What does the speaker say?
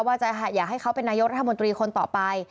อยากให้เขาเป็นนายกรัฐมนตรีคนต่อไป